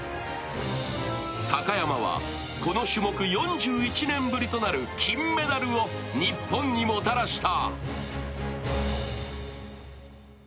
高山はこの種目４１年ぶりとなる金メダルを日本にもたらした。